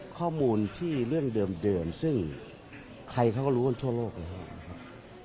ข้อมูลที่เรื่องเดิมซึ่งใครเขาก็รู้กันทั่วโลกแล้วนะครับ